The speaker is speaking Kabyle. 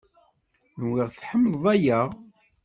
Nwiɣ tḥemmleḍ aya.